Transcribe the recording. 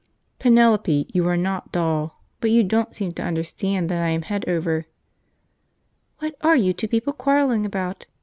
Penelope, you are not dull, but you don't seem to understand that I am head over " "What are you two people quarrelling about?"